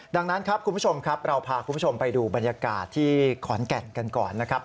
ดังนั้นครับคุณผู้ชมครับเราพาคุณผู้ชมไปดูบรรยากาศที่ขอนแก่นกันก่อนนะครับ